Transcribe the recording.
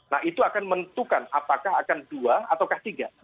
nah itu akan menentukan apakah akan dua atau tiga